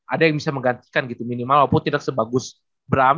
ada yang bisa menggantikan gitu minimal walaupun tidak sebagus bram